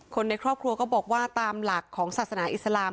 คนในครอบครัวก็บอกว่าตามหลักของศาสนาอิสลาม